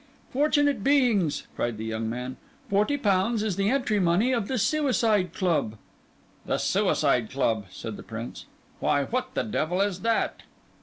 "Fortunate beings!" cried the young man. "Forty pounds is the entry money of the Suicide Club." "The Suicide Club," said the Prince, "why, what the devil is that?"